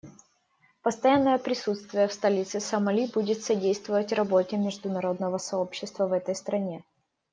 Постоянное присутствие в столице Сомали будет содействовать работе международного сообщества в этой стране.